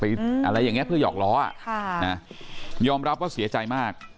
อะไรอย่างเงี้เพื่อหอกล้ออ่ะค่ะนะยอมรับว่าเสียใจมาก